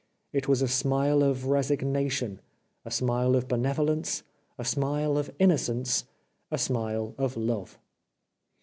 It was a smile of resignation, a smile of benevolence, a smile of innocence, a smile of love.